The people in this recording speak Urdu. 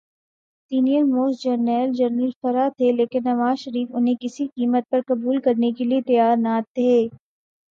سینئر موسٹ جرنیل جنرل فرخ تھے‘ لیکن نواز شریف انہیں کسی قیمت پر قبول کرنے کیلئے تیار نہ تھے۔